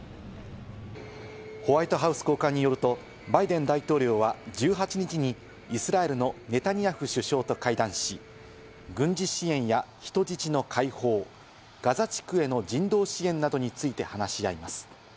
ホワイトハウス高官によると、バイデン大統領は１８日にイスラエルのネタニヤフ首相と会談し、軍事支援や人質の解放、ガザ地区への人道支援などについて話し合います。